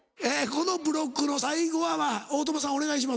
このブロックの最後は大友さんお願いします。